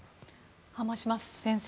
濱島先生